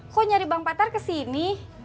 kok nyari bang patar kesini